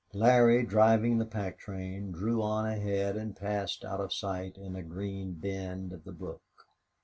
Larry, driving the pack train, drew on ahead and passed out of sight in a green bend of the brook.